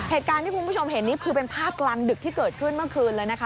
เหตุการณ์ที่คุณผู้ชมเห็นนี่คือเป็นภาพกลางดึกที่เกิดขึ้นเมื่อคืนเลยนะคะ